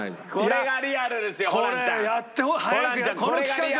これがリアル。